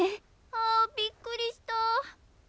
あびっくりした。